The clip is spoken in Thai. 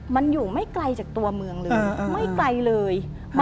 มันอยู่ไม่ไกลจากตัวเมืองเลยไม่ไกลเลย